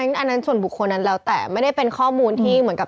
อันนั้นส่วนบุคคลนั้นแล้วแต่ไม่ได้เป็นข้อมูลที่เหมือนกับ